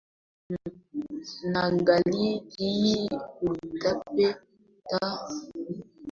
nakala hii hautapata ukweli wa ensaiklopidia kama Uturuki iko katika